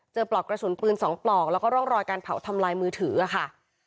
ปลอกกระสุนปืน๒ปลอกแล้วก็ร่องรอยการเผาทำลายมือถือค่ะ